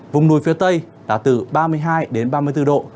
vùng núi phía tây là từ ba mươi hai đến ba mươi bốn độ